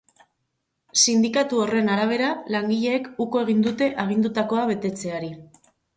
Sindikatu horren arabera, langileek uko egin dute agindutakoa betetzeari.